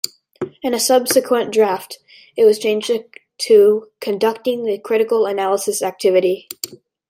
In a subsequent draft, it was changed to "Conducting the Critical Analysis Activity".